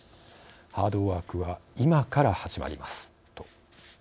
ハードワークは今から始まります」と。